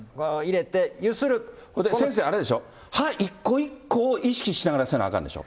そんで、先生、あれでしょ、歯一個一個を意識しながらせなあかんでしょ。